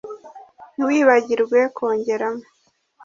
Ntiwibagirwe kongeramo